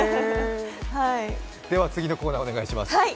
では次のコーナーお願いします。